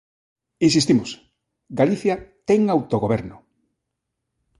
Insistimos, Galicia ten autogoberno.